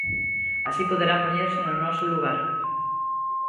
Así poderán poñerse no noso lugar.